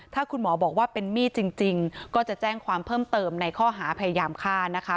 ถ้าคุณหมอบอกว่าเป็นมีดจริงก็จะแจ้งความเพิ่มเติมในข้อหาพยายามฆ่านะคะ